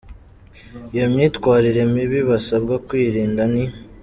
Iyo myitwarire mibi basabwa kwirinda ni :.